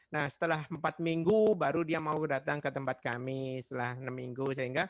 nah setelah empat minggu baru dia mau datang ke tempat kami setelah enam minggu